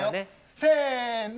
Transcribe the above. せの！